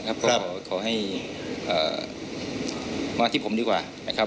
ผมขอให้มาที่ผมดีกว่า